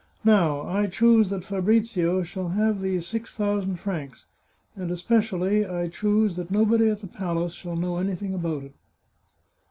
Now, I choose that Fabrizio shall have these six thousand francs, and especially I choose that no body at the palace shall know anything about it."